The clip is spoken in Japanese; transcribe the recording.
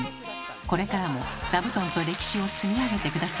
これからも座布団と歴史を積み上げて下さいね。